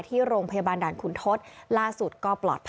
ที่โรงพยาบาลด่านขุนทศล่าสุดก็ปลอดภัย